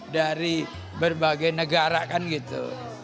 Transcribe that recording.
dari berbagai negara kan gitu